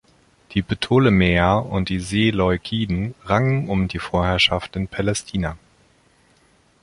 Die Ptolemäer und die Seleukiden rangen um die Vorherrschaft in Palästina.